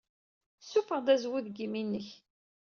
Ssuffeɣ-d azwu seg yimi-nnek.